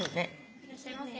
いらっしゃいませ。